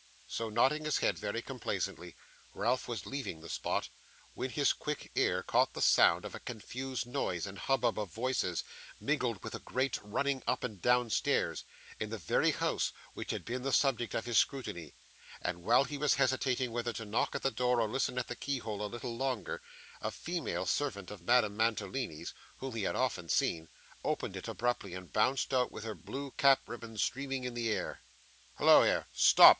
So, nodding his head very complacently, Ralph was leaving the spot, when his quick ear caught the sound of a confused noise and hubbub of voices, mingled with a great running up and down stairs, in the very house which had been the subject of his scrutiny; and while he was hesitating whether to knock at the door or listen at the keyhole a little longer, a female servant of Madame Mantalini's (whom he had often seen) opened it abruptly and bounced out, with her blue cap ribbons streaming in the air. 'Hallo here. Stop!